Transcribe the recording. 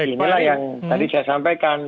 inilah yang tadi saya sampaikan